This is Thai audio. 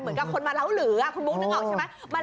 เหมือนความร้อนเหลือคุณบลุกนึกออกใช่ไหม